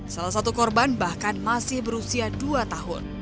salah satu korban bahkan masih berusia dua tahun